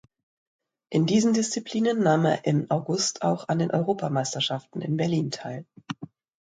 In diesen Disziplinen nahm er im August auch an den Europameisterschaften in Berlin teil.